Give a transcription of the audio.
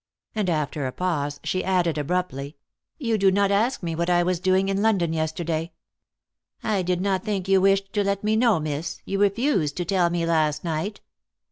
And, after a pause, she added abruptly: "You do not ask me what I was doing in London yesterday." "I did not think you wished to let me know, miss. You refused to tell me last night."